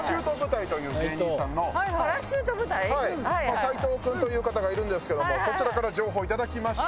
斉藤君という方がいるんですけどもそちらから情報をいただきまして。